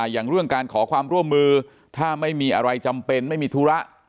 อย่างเรื่องการขอความร่วมมือถ้าไม่มีอะไรจำเป็นไม่มีธุระ